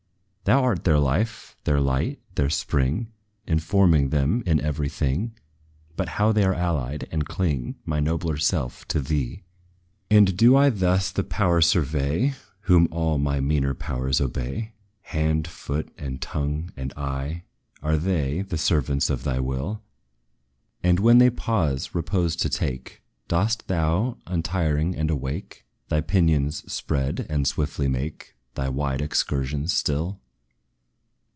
Thou art their life, their light, their spring, Informing them in every thing, But how they are allied, and cling, My nobler self, to thee. And do I thus the power survey, Whom all my meaner powers obey? Hand, foot and tongue and eye are they The servants of thy will? And when they pause, repose to take, Dost thou, untiring and awake, Thy pinions spread, and swiftly make Thy wide excursions still?